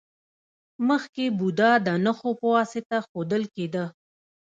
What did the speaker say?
مخکې بودا د نښو په واسطه ښودل کیده